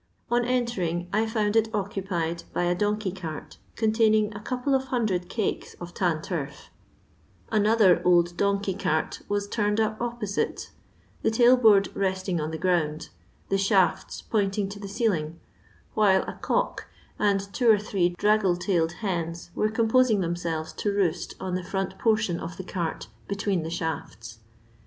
On entering I found it occupied by a donkey cart, containing a couple of hundred cakes of tan turf; another old donkey cart was turned up opposite, the tailboard resting on the ground, the shafts pointbg to the ceiling, while a cock and two or three draggle tailed hens were composing themselyes to roost on the front portion of the cart between the shafts.